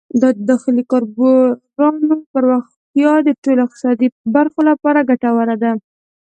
د داخلي کاروبارونو پراختیا د ټولو اقتصادي برخو لپاره ګټوره ده.